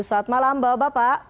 saat malam bapak bapak